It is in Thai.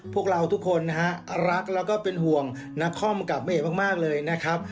พวกเราทุกคนนะฮะรักแล้วก็เป็นห่วงนักคอมกับแม่เอกมากเลยนะครับ